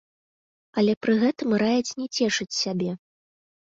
Але пры гэтым раяць не цешыць сябе.